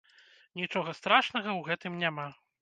Нічога страшнага ў гэтым няма.